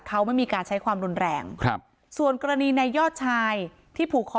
เขาไม่มีการใช้ความรุนแรงครับส่วนกรณีในยอดชายที่ผูกคอ